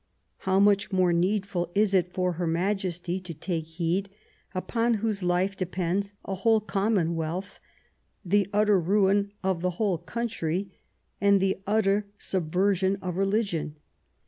How much more needful is it for Her Majesty to take heed, upon whose life depends a whole commonwealth, the utter ruin of the whole country, and the utter subversion of religion